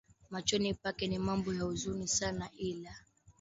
machoni pake ni mambo ya huzuni sana ila